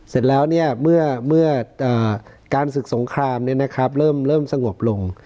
เสร็จแล้วเนี้ยเมื่อเมื่อการศึกสงครามเนี้ยนะครับเริ่มเริ่มสงบลง